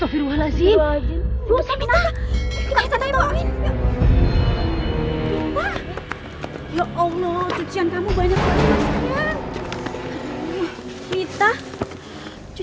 kalau kamu untuk begitu